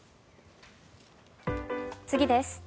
次です。